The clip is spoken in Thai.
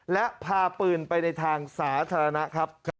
และพาปืนไปในทางสาธารณะครับ